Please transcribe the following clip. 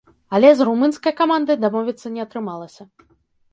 Але з румынскай камандай дамовіцца не атрымалася.